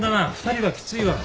２人はきついわ。